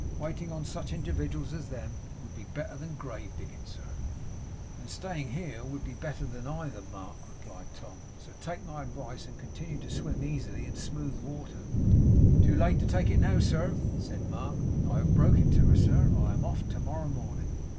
Waiting on such individuals as them would be better than grave digging, sir.' 'And staying here would be better than either, Mark,' replied Tom. 'So take my advice, and continue to swim easily in smooth water.' 'It's too late to take it now, sir,' said Mark. 'I have broke it to her, sir. I am off to morrow morning.